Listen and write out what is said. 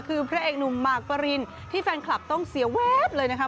คือพระเอกหนุ่มมากปรินที่แฟนคลับต้องเสียแว๊บเลยนะคะ